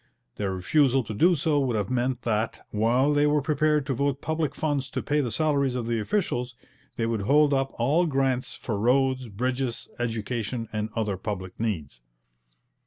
Their refusal to do so would have meant that, while they were prepared to vote public funds to pay the salaries of the officials, they would hold up all grants for roads, bridges, education, and other public needs.